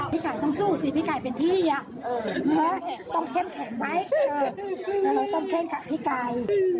พี่ไก่ต้องสู้สิพี่ไก่เป็นที่ต้องเข้มแข็งไหมต้องเข้มค่ะพี่ไก่